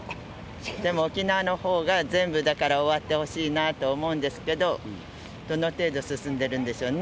でも沖縄のほうが、全部、だから終わってほしいなと思うんですけど、どの程度進んでるんでしょうね。